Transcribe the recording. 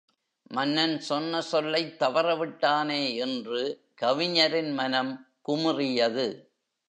மன்னன் சொன்ன சொல்லைத் தவற விட்டானே என்று கவிஞரின் மனம் குமுறியது.